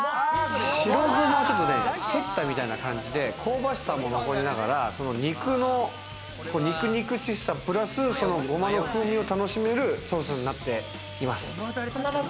白ゴマをちょっと擦ったみたいな感じで、香ばしさも残りながら肉の肉肉しさプラス、ゴマの風味を楽しめるソースになっています。